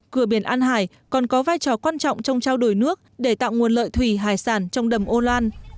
cửa biển an hải còn có vai trò quan trọng trong trao đổi nước để tạo nguồn lợi thủy hải sản trong đầm âu loan